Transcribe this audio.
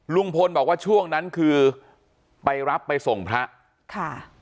ลุงพลบอกว่าช่วงนั้นคือไปรับไปส่งพระค่ะ